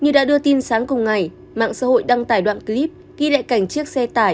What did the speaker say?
như đã đưa tin sáng cùng ngày mạng xã hội đăng tải đoạn clip ghi lại cảnh chiếc xe tải